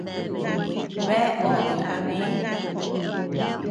Bea obe jabë